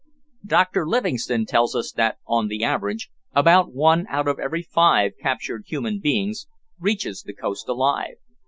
Dr Livingstone tells us that, on the average, about one out of every five captured human beings reaches the coast alive.